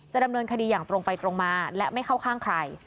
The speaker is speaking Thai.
ดำเนินคดีอย่างตรงไปตรงมาและไม่เข้าข้างใคร